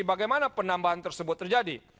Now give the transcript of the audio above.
bagaimana penambahan tersebut terjadi